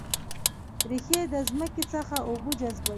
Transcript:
ریښې د ځمکې څخه اوبه جذبوي